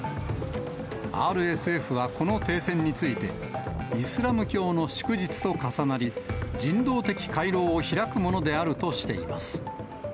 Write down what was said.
ＲＳＦはこの停戦について、イスラム教の祝日と重なり、人道的回廊を開くものであるとしています。